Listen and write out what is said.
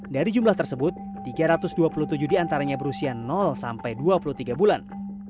dari jumlah tersebut tiga ratus dua puluh tujuh diantaranya berusia sampai dua puluh tiga bulan